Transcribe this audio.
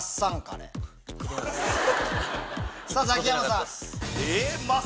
さぁザキヤマさん。